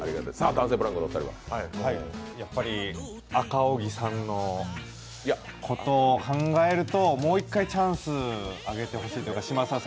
やっぱり赤荻さんのことを考えるともう１回チャンスあげてほしいというか。